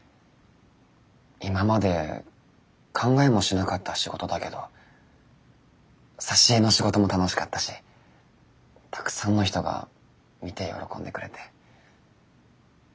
今まで考えもしなかった仕事だけど挿絵の仕事も楽しかったしたくさんの人が見て喜んでくれて。